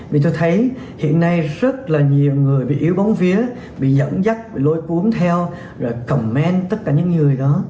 vì tôi thấy hiện nay rất là nhiều người bị yếu bóng vía bị dẫn dắt bị lôi cuốn theo rồi comment tất cả những người đó